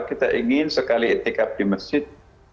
kita ingin sekali itikaf di masjid